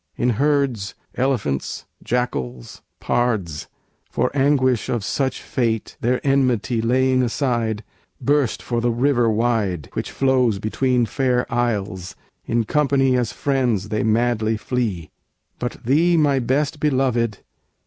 In herds, elephants, jackals, pards, For anguish of such fate their enmity Laying aside, burst for the river wide Which flows between fair isles: in company As friends they madly flee! But Thee, my Best Beloved!